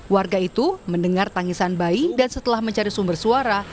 warga itu mendengar tangisan bayi dan setelah mencari sumber suara